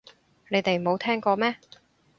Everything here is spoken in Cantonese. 你哋冇聽過咩